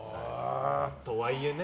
とはいえね。